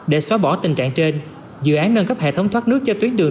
để xóa bỏ tình trạng trên dự án nâng cấp hệ thống thoát nước cho tuyến đường